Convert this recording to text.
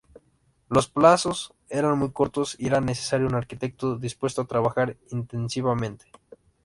Los plazos eran muy cortos, y era necesario un arquitecto dispuesto a trabajar intensivamente.